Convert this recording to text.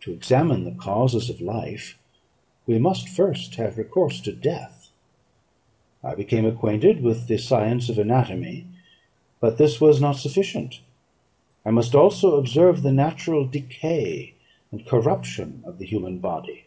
To examine the causes of life, we must first have recourse to death. I became acquainted with the science of anatomy: but this was not sufficient; I must also observe the natural decay and corruption of the human body.